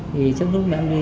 thì trước lúc mẹ em đi